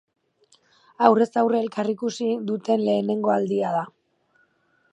Aurrez aurre elkar ikusi duten lehenengo aldia da.